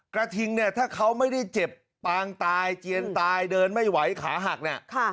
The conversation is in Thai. กระทิงเนี่ยถ้าเขาไม่ได้เจ็บปางตายเจียนตายเดินไม่ไหวขาหักเนี่ย